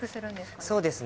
そうですね。